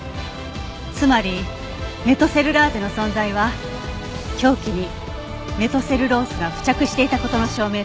つまりメトセルラーゼの存在は凶器にメトセルロースが付着していた事の証明となります。